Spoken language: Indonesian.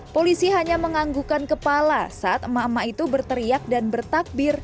polisi hanya menganggukan kepala saat emak emak itu berteriak dan bertakbir